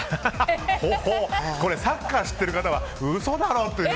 サッカー知ってる方は嘘だろという。